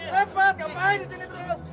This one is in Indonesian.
cepat kembali disini